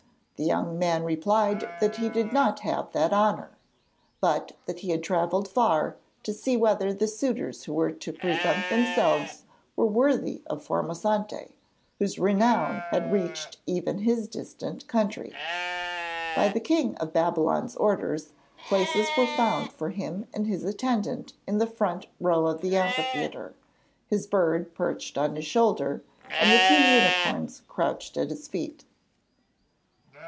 The young man replied that he did not have that honour, but that he had travelled far to see whether the suitors who were to present themselves were worthy of Formosante, whose renown had reached even his distant country. By the King of Babylon's orders, places were found for him and his attendant in the front row of the amphitheatre: his bird perched on his shoulder, and the two unicorns crouched at his feet.